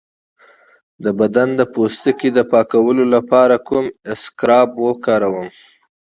د بدن د پوستکي د پاکولو لپاره کوم اسکراب وکاروم؟